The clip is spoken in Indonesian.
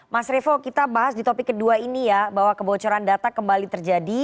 mas revo kita bahas di topik kedua ini ya bahwa kebocoran data kembali terjadi